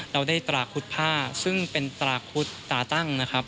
เราได้ตราคุดผ้าซึ่งเป็นตราคุดตาตั้งนะครับ